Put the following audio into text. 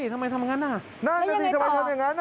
เฮ่ยทำไมทำอย่างนั้นแล้วยังไงต่อทำไมทำอย่างนั้น